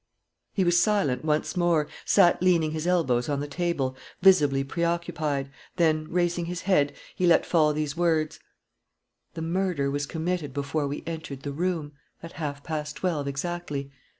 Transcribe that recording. He was silent once more, sat leaning his elbows on the table, visibly preoccupied; then, raising his head, he let fall these words: "The murder was committed before we entered the room, at half past twelve exactly."